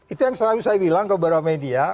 itu yang selalu saya bilang ke beberapa media